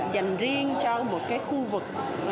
dành riêng cho một cái khu vực